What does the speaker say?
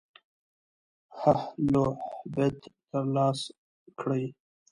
هعلْهبت تر لاسَ کړئ.